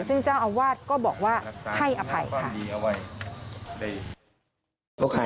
ซึ่งเจ้าอาวาสก็บอกว่าให้อภัยค่ะ